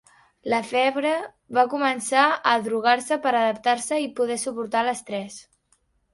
LaFevre va començar a drogar-se per a adaptar-se i poder suportar l'estrès.